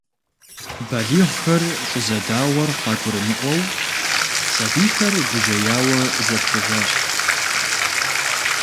Балигъхэр щӏызэдауэр къагурымыӏуэу, сэбийхэр гужьеяуэ заплъыжащ.